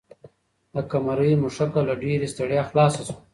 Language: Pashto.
د قمرۍ مښوکه له ډېرې ستړیا خلاصه شوه.